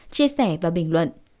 chia sẻ và bình luận